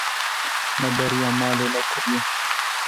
Me bêriya malê nekiriye.